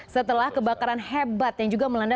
setelah kebakaran hebat yang juga melanda